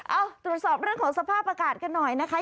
เอ้าตรวจสอบเรื่องของสภาพอากาศกันหน่อยนะคะ